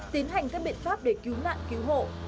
tiến hành các biện pháp để cứu nạn cứu hộ